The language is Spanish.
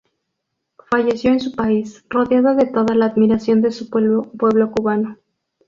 Falleció en su país, rodeado de toda la admiración de su pueblo cubano.